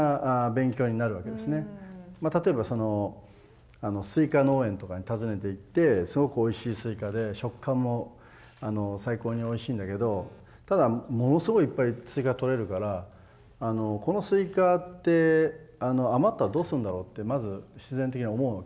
まあ例えばそのスイカ農園とかに訪ねていってすごくおいしいスイカで食感も最高においしいんだけどただものすごいいっぱいスイカが取れるからこのスイカって余ったらどうするんだろうってまず必然的に思うわけですよ。